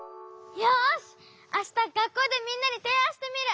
よしあしたがっこうでみんなにていあんしてみる！